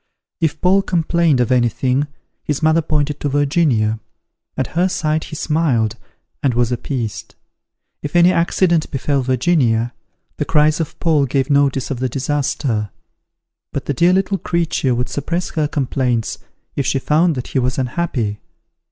If Paul complained of anything, his mother pointed to Virginia: at her sight he smiled, and was appeased. If any accident befel Virginia, the cries of Paul gave notice of the disaster; but the dear little creature would suppress her complaints if she found that he was unhappy.